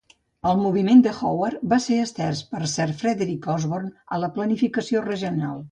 El moviment de Howard va ser estès per Sir Frederic Osborn a la planificació regional.